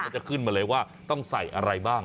จะขึ้นมาเลยว่าต้องใส่อะไรบ้าง